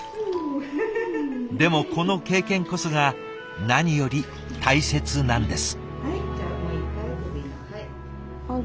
でもこの経験こそが何より大切なんです。